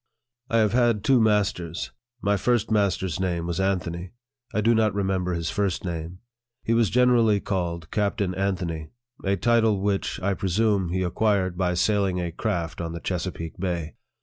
I have had two masters. My first master's name was Anthony. I do not remember his first name. He was generally called Captain Anthony a title which, I presume, he acquired by sailing a craft on the Chesapeake Bay.